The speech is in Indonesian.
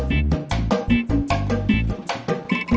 musik dan musik